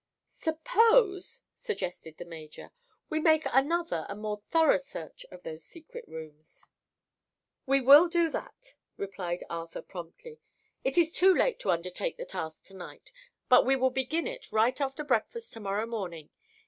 "Suppose," suggested the major, "we make another and more thorough search of those secret rooms." "We will do that," replied Arthur promptly. "It is too late to undertake the task to night, but we will begin it right after breakfast to morrow morning.